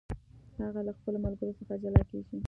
هغه له خپلو ملګرو څخه جلا کیږي.